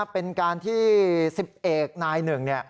เป็นการที่๑๐เอกนายหนึ่ง